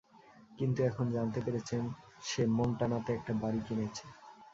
কিন্তু এখন জানতে পেরেছেন, সে মনটানাতে একটা বাড়ি কিনেছে।